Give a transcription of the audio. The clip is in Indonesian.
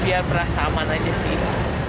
ya berasa aman aja sih